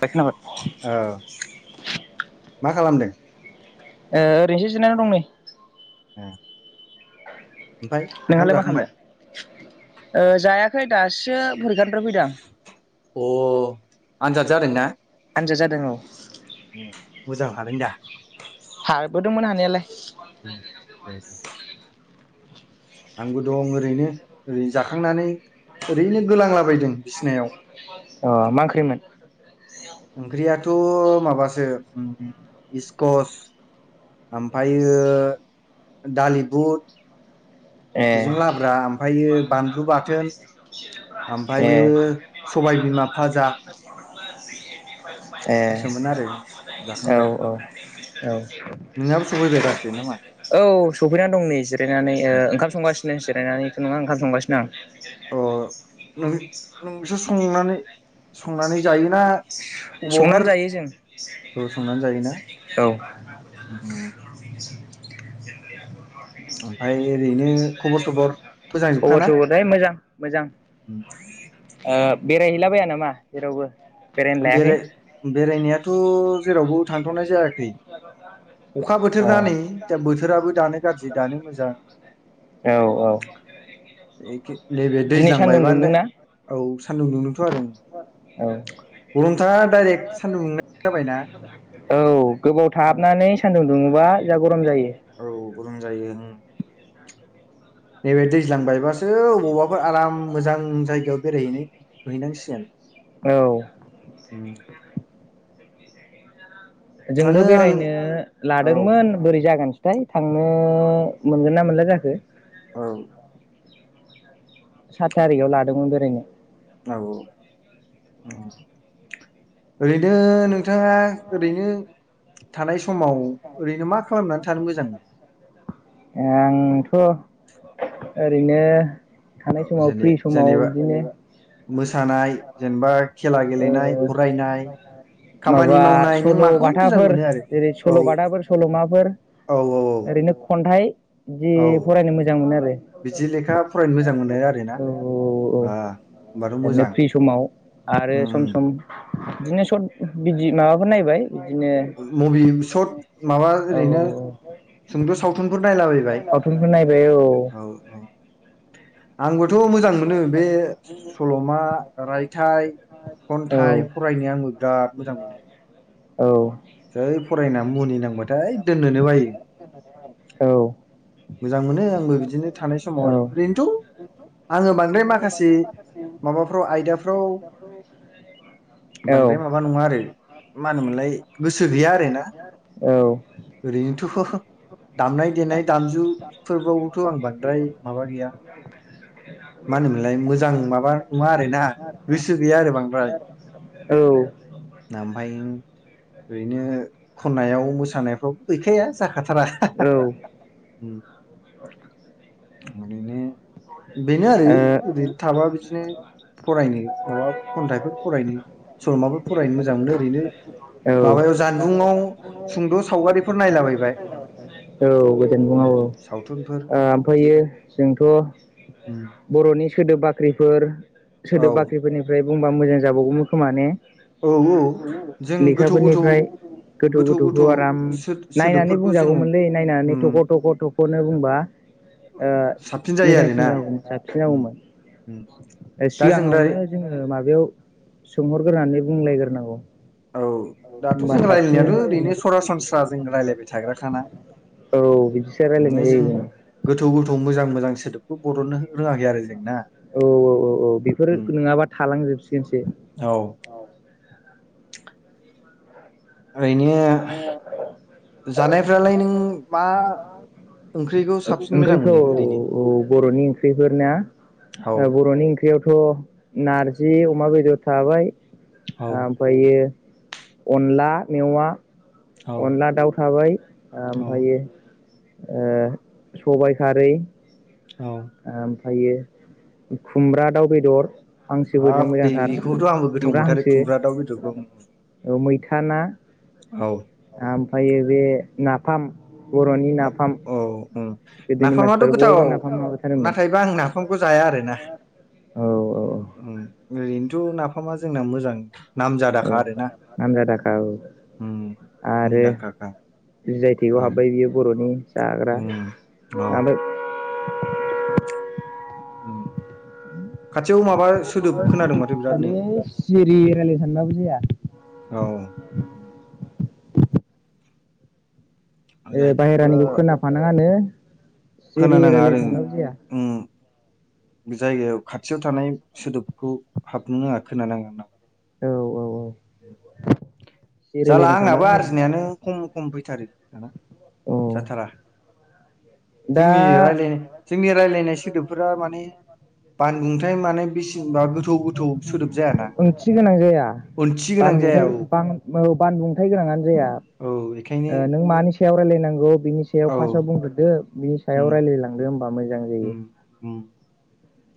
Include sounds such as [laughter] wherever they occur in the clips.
खोनाबाय औ मा खालामदों? ओरैनोसो जिरायनानै दं नै। ओ। ओमफ्राय ओंखाम नोंहालाय मा जाखांबाय? खालामदों? जायाखै दासो फरेखानिफ्रा फैदों आं। अ आनजाद जादोंना। आनजाद जादों औ। मोजां हादों दा। हाबोदोंमोन हानायालाय। दे दे आंबो दं ओरैनो ओरैनो जाखांनानै ओरैनो गोलांलाबायदों बिसिनायाव। अ मा ओंख्रिमोन? ओंख्रियाथ' माबासो इस्कस ओमफ्रायो दालि बुद ए बेजों लाब्रा ओमफ्रायायो बानलु बाथोन ए ओमफ्रायो स सबाय बिमा फाजा। ए औ सोमोन आरो औ। औ जाखांबाय औ सफैनानै नोंहाबो सफैबाय दासो दं नामा नै जिरायनानै उम ओ ओंखाम संगासिनो जिरायनानैथ' नङा ओंखाम संगासिनो आं। अ नों नोंसो संनानै संनानै जायोना अबावाफोर संनानै जायो औ संनानै जायोना? जों औ उम उम। ओमफ्राय ओरैनो खबर सबर? खबर सबरआथ' मोजां मोजां, ओ बेरायहैलाबाया नामा जेरावबो? बेरायनो लायाखै बेराय बेरायनायाथ' जेरावबो थांथ'नाय जायाखै। अखा औ बोथोर ना नै दा बोथोराबो दानो गाज्रि दानो मोजां। औ औ। एखे नैबे दिनै दैज्लां सान्दुं बायबानो दे दुंदोंना औ सानदुं दुंदोंथ' आरो। औ गरमथार डाइरेक्ट सान्दुं दुंनाय जाबायना औ गोबाव थाबनानै सान्दुं दुंबा जा गरम जायो। औ गरम जायो। नैबे दैज्लां बायबासो अबावबाफोर आराम मोजां जायगायाव बेरायहैनो हैैनांसिगोन। औ। उम। मानो जोंबो आं बेरायनो औ लादोंमोन बोरै जागोन थाय थांनो मोनगोन ना मोनला जाखो। औ। सात थारिखआव लादोंमोन बेरायनो। औ औ। उम, ओरैनो नोंथाङा ओरैनो थानाय समाव ओरैनो मा खालामनानै थानो मोजां? आंथ' ओरैनो‌ थानाय औ समाव जेने फ्रि समाव जेनेबा बिदिनो मोसानाय जेनेबा खेला ओ। गेलेनाय फरायनाय खामानि माबा मावनाय नों सल' माखौ मोजां बाथाफोर मोनो आरो जेरै औ सल' बाथाफोर सल'माफोर औ औ ओरैनो खन्थाइ जि औ फरायनो मोजां मोनो आरो। बिदि लेखा फरायनो मोजां मोनो आरोना? औ औ औ ओ होमबाथ' ओरैनो मोजां। फ्रि समाव आरो उम सम सम बिदिनो सर्ट बिदि माबाफोर नायबाय। बिदिनो मुभि सर्ट माबा ओरैनो औ सुंद' सावथुनफोर नायलाबायबाय सावथुनफोर नायबाय औ औ औ। आंबोथ' मोजां मोनो बे सल'मा रायथाइ औ खन्थाइ फरायनो आंबो बिराद मोजां मोनो। औ। जै फरायना मुहुनि नांबाथाय दोननोनो बायो। औ मोजां मोनो आंबो बिदिनो थानाय समाव ओरैनोथ' [unintelligible] आङो बांद्राय माखासे माबाफ्राव आयदाफ्राव [unintelligible] बांद्राय औ। माबा नङा आरो मा होनोमोनलाय गोसो गैया आरोना। ओरैनोथ' दामनाय देनाय दामजुफोरबावथ' आं बांद्राय माबा गैया होनोमोनलाय मोजां [unintelligible] मा नङा आरो ना गोसो गैया आरो बांद्राय। ओ औ ओमफाय ओरैनो खन्नायाव मोसानायफ्राव गैखाया जाखाथारा। ओम ओरैनो बेनो आरो ओरै थाबा बिदिनो फरायनो माबा खन्थाइफोर फरायनो सल'माफोर फरायनो मोजां मोनो ओरैनो औ माबायाव जानबुंआव सुंद' सावगारिफोर नायलाबायबाय [unintelligible] औ गोजोन बुं औ उम, ओ सावथुनफोर ओमफ्र बिदि आरो जोंथ' उम, बर'नि सोदोब बाख्रिफोर औ सोदोब बाख्रिफोरनिफ्राय बुंबा मोजां जाबावगौमोन खोमा ने औ औ जों उमहो गोथौ गोथौ लेखाफोरनिफ्राय गोथौ गोथौखौ आराम नायनानै सोदोबफोरखौ जोङो बुंजागौमोनलै नायनानै उम थख' थख' थख'नो बुंबा ओ साबसिन जायो मोजांसिन आरोना जागौमोन साबसिन उम, जागौमोन। उम, ओ दा जों राय सिगाङावनो जोङो माबायाव सोंहरग्रोनानै बुंलायग्रोनांगौ। औ दाथ' होमबा जों साबसिन रायज्लायनायाथ' ओरैनो सरासनस्रा जों रायलायबाय थाग्राखाना औ बिदिसो रायलायनाय नाय जायो जों गोथौ गोथौ मोजां मोजांसि सोदोबखौ बर'ननो हो रोङाखै आरो जों ना औ औ औ औ बेफोर उम नोङाबा थालांजोबसिनसो औ। ओरैनो जानायफ्रालाय नों मा ओंख्रिखौ ओंख साबसिन मोजां ओंख्रिखौ मोनो ओरैनो औ बर'नि ओंख ख्रिफोरना औ ओ बर'नि ओंख्रियावथ' नारजि अमा बेदर थाबाय। औ आ ओमफायो अनला मेवा। औ अनला दाउ थाबाय आ औ ओमफायो ओ सबाय खारै औ फायो खुमब्रा दाउ बेदर। हांसोफोरजों हाब बे मोजांथार बेखौथ' आंबो गोथाव मोनथारो खुमब्रा दाउ बेदरखौ। औ मैथा ना। औ आ ओमफायो बे नाफाम बर'नि नाफाम। औ औ गोदोनि नाफामाथ' मानसिफ्रा गोथाव बयबो नाफाम माबाथारोमोन नाथायबा आं नाफामखौ जाया आरोना। औ औ उम ओरैनोथ' नाफामा जोंना मोजां। औ नाम नामजादाखा आरोना जादाखा नाम जादाखा औ उम आरो मुंदांखाखा जि आइ औ टेगआव हाबबाय बियो बर'नि जाग्रा उम औ ओमफाय उम खाथियाव माबास सोदोब खोनादों माथो बिरादनो माने सिरि रायलायनो सानबाबो जाया औ उम ए जायखिबो बाहेरानिखौ खोनाफानाङानो सिरि खोनानाङा आरो रायलायनो सानबाबो जाया उम बे जायगायाव खाथियाव थानाय सोदोबफोरखौ हाबनो नाङा खोनानाङा होन्ना औ औ औ सिरि जाला रायलायनो आंनाबो सानबाबो जाया आरजिनायानो खम खम फैथारो दाना औ जाथारा दा जोंनि रायलायनाय जोंनि रायलायनाय सोदोबफोरा माने बानबुंथाय माने बांसिनै बेसेबा गोथौ गोथौ सोदोब जायाना माने [unintelligible] ओंथि गोनां जाया। ओंथि गोनां जाया बांद्राय औ बां बौ बानबुंथाय गोनाङानो जाया औ ओ बेखायनो नों मानिस सायाव रायलायनांगौ बिनि सायाव औ फार्स्टआव बुंग्रोदो बिनि सायाव उम रायलायलांदो होमबा मोज उम उम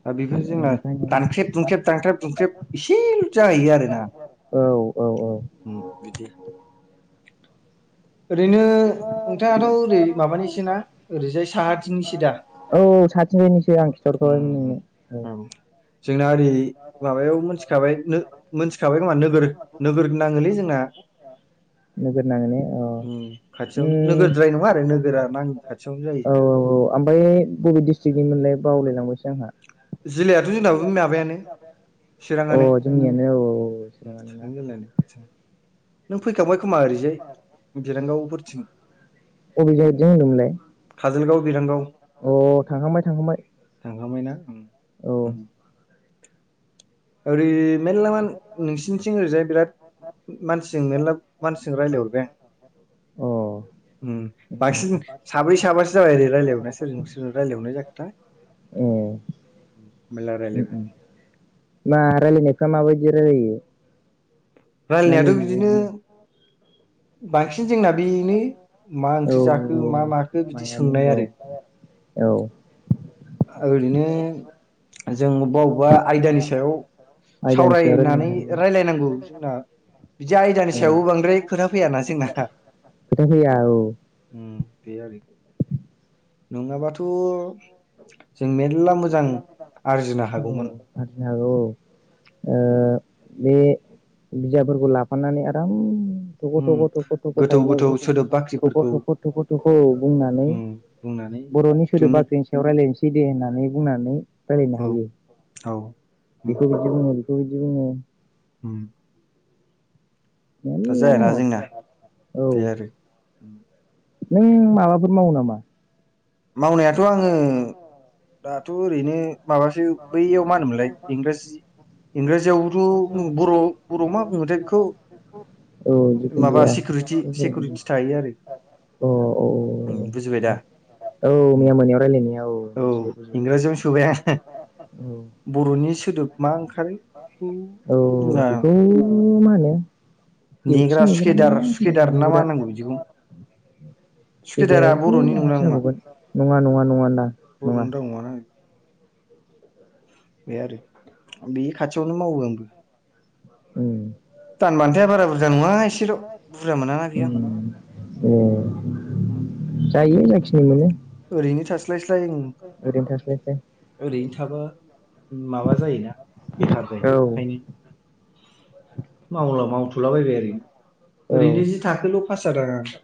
दा बेफोर जोंना ओंखायनो दानख्रेब दुंख्रेब दानख्रेब दुंख्रेब एसेल' जाहैयो आरोना औ औ औ उम बिदि ओरैनो [unintelligible] नोंथाङाथ' औ ओरै माबानिसो ना साथ ओरैजाय थिंहैनिसै साहाथिंनिसो दा आं खिथरखो नुनो उम उम मोनो औ जोंना ओरै माबायाव मोनथ थिखाबाय नो मोनथिखाबाय खोमा नोगोर नोगोर होननाङोलै जोंना नोगोर नाङो ने उम खाथियावनो नोगोरद्राय नङा आरो नोगोरा नाङो खाथियावनो जायो जोंना अ आमफाय बबे डिस्ट्रिक्टनि मोनलाय बावलायलांबायस जिल्लायाथ' जोंनाबो बे माबायानो अ चिराङानो जोंनियानो औ उम चिराङानो ना चिरां जिल्लानि खाथिनि फैखांबाय खोमा ओरैजाय बिरांगावफोरथिं अबे जाइदजों होनदोंमोनलाय काजलगाव बिरांगाव अ थांखांबाय थांखांबाय थांखांबायना उम औ ओरै मेलला मान नोंसिनिथिं ओरैजाय बिराद मानसिजों मेरला मानसिजों रायलाय हरबाय अ आं ओम बांसिन साब्रै साबासो जाबाय आरै रायलाय हरनाया सोरजों सोरजों रायलायहरनाय जाखोथाय औ मेलला रायलायबाय मा रायलायनायफ्रा माबायदि रायलायो ना नै रायलायनायाथ' बिदिनो बेबायदिनो बांसिन जोंना बेनो मा औ ओंख्रि औ जाखो मा माखो बिदि मायानो सोंनाय औ आरो औ ओरैनो जों अबबा अबबा आयदानि सायाव आयदानि सायाव रायलायनो सावरायनानै हायो रायलायनांगौ जोंना बिदि औ आयदानि सायावबो बांद्राय खोथा फैयाना जोंना खोथा फैया औ उम बे आरो नङाबाथ' जों मेर औ आरजिनो हागौ औ ओ बे बिजाबफोरखौ लाफानानै आराम थख' उम थख' थख' थख' गोथौ थायोना गोथौ बेखौ' सोदोब थख' बाख्रिफोरखौ थख' थख' थख' औ बुंनानै उम बुंनानै बर'नि सोदोब दिहुननो बाख्रिनि सायाव रायलायनोसै बिदि होननानै बुंनानै रायलायनो औ हायो औ बेखौ बिदि बुङो एखौ इदि बुङो होम मेल्ला दङ औ जोंना बे आरो नों माबाफोर मावो नामा मावनायाथ आङो दाथ ओरैनो माबासो बैयाव मा होनोमोनलाय इंराजि इंराजियावथ बर बरआव मा बुङोथाय बेखौ औ जिखुनु माबा जाया सिकुरिटि सिकुरिटि थायो आरो अ अ उम बुजिबाय दा अ औ उम मैया मोनायाव रायलायनाया औ मोनसे बुजिनाय इंराजियावनो सोबाय आं बरनि सोदोब मा ओंखारो औ जोंना बेखौ मा होनो दिवथि नेग्रा ना सुखेदार होनो सुखेदार [unintelligible] ना मा नेग्रा होनांगौ बिदिखौ सुखेदारा गेदेरावथ बर'नि नंगौना मास नङा जाबावगोन नङा नङा नङा ना नङा बर'नि राव नङाना बे आरो बे खाथियावनो मावो आंबो उम दानबान्थाया बारा बुरजा नङा एसेल बुरजा मोनाना ना बेयाव उम ए जायो जाखिनि मोनो ओरैनो थास्लायस्लाय ओम ओरैनो थास्लायस्लाय ओरैनो थाबा माबा जायोना बेखार जायो औ ओंखायनो मावला मावथुलाबायबाय ओरैनो औ ओरैनो जि थाखोल पास जादों आं जि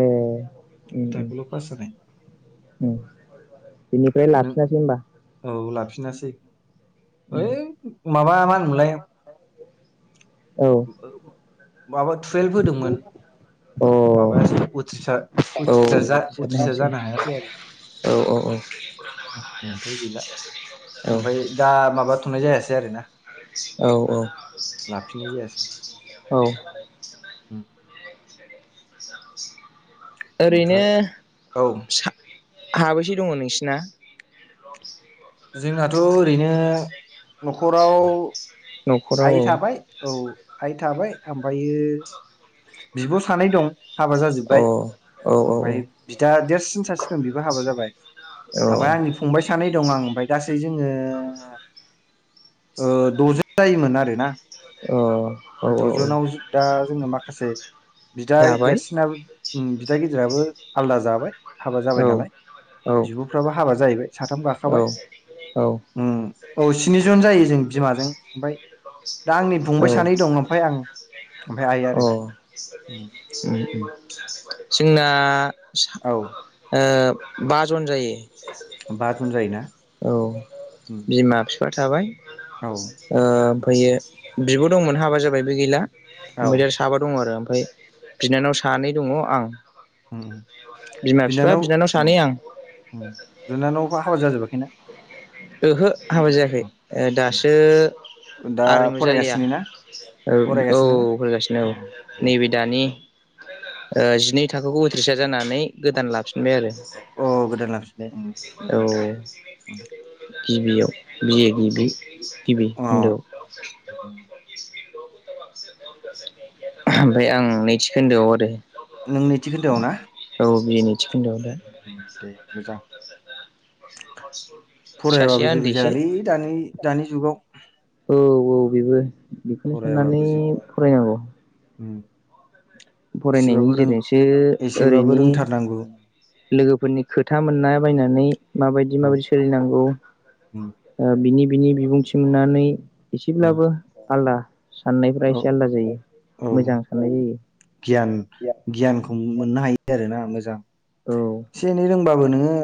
ए उम उम थाखोल पास जानाय उम बिनिफ्राय नों लाफिनासै होमबा औ लाफिनासै उम ओइ माबा मा होनोमोनलाय औ माबा टुवेल्भ होदोंमोन माबायासै अ उथ्रिसार औ उथ्रिसार जा उथ्रिसार जानो हायासै आरो औ औ बेनिफ्राय गैला औ ओमफाय दा माबाथनाय जायासै आरोना औ औ लाफिननाय जायासै औ उम ओरैनो ओमफ्राय औ फिसा खाबैसे दङ नोंसिना जोंनाथ‌ ओरैनो नखराव आइ न'खराव थाबाय औ आइ थाबाय ओमफायो बिब सानै दं हाबा औ जाजोब्बाय औ औ ओमफय बिदा देरसिन सासे बेबो हाबा जाबाय औ ओमफ्राय आंनि फंबाय सानै दं आं ओमफफ्राय गासै जोङो द जोन जायोमोन आरोना औ औ द औ जोनाव दा जोङो माख माखासे बिदा जाबाय देरसिनो उम बिदा गिदिराबो आलादा जाबाय हाबा जाबाय औ नालाय औ बिबफ्राबो हाबा जाहैबाय साथाम गाखाबाय औ औ उम औ स्निजन जायो जों बिमाजों ओमफ्राय दा आंनि फंबाय सानै अ दं ओमफाय आं ओमफाय आइ आरो उम जोंना औ ओ बा जन जायो बा जन जायोना औ उम बिमा फिफा फिफा थाबाय औ ओमफ्राय ओमफैयो बिब दंमोन हाबा जाबाय बे गैला औ ओमफाय दा साबा दङ आरो ओमफाय बिनानाव सानै दङ आं उम बिमा बिफा बिनानाव उम सानै आं उम बिनानाव फा हाबा जाजोबाखैना ओहो हाबा जायाखै उम दासो उम दा आरिमु जालिया फरायगासिनो ना औ औ फरायगासिनो ना होगासिनो औ नैबे दानि ओ जिनै थाखोखौ उथ्रिसार जानानै गोदान लाफिन बाय आरो अ गोदान लाफिनबाय उम औ मोजां दे उम गिबियाव बियो गिबि गिबि औ खोन्दोआव अ ओमफ्राय आं नैथि खोन्दोआव आरो नों नैथि खोन्दोआव ना औ बिए नैथि खोन्दोआव दा दे मोजां ास फरायाबाबो जेबो जायालै दानि दानि जुगाव औ औ बेबो बेखौनो साननानै फरायाबाबो जेबो फरायनांगौ उम फरायनायनि एसेबाबो रों गेजेरजोंसो एसेबाबो ओरैनि रोंथारनांगौ लोगोफोरनि खोथा मोननाय बायनानै माबायदि औ माबायदि सोलिनांगौ बिनि बिनि बिबुंथि मोननानै औ एसेब्लाबो आलद औ औ मोजां साननाय जायो गियान गियानखौ मोननो हायो आरो ना मोजां औ एसे एनै रोंबाबो नोङो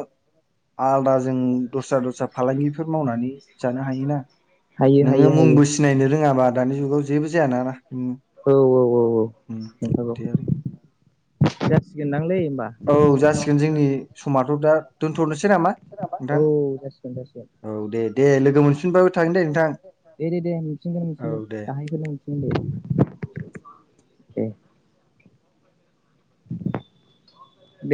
आलादा जों दस्रा दस्रा फालांगिफोर मावनानै जानो हायोना हायो नोङो हायो हायो मुंबो सिनायनो रोङाबा दानि जुगाव जेबो जायाानाना औ औ औ नंथारगौ बे आरो जासिगोनदांलै होमबा औ जासिगोन जोंनि समथ दा दोनथनोसै नामा नोंथां औ जासिगोन जासिगोन औ दे दे लोगो मोनफिनबाबो थागोन दे नोंथां दे दे दे मोनफिनगोन औ सिगोन दे। दाहायफोरनो मोनसिगोन दे दे